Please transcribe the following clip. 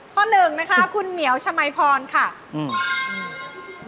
ข้อ๑นะคะคุณเหมียวชมัยพรณ์ค่ะอืม